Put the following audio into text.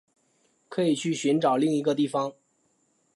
可以去寻找另一个地方